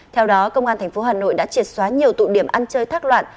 theo đó công an tp hà nội đã triệt xóa nhiều tụ điểm ăn chơi thác loạn